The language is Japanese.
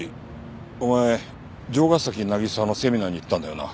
お前城ヶ崎渚のセミナーに行ったんだよな？